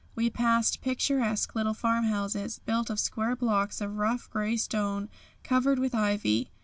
We passed picturesque little farmhouses, built of square blocks of rough, grey stone covered with ivy.